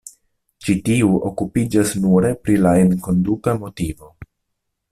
Ĉi tiu okupiĝas nure pri la enkonduka motivo.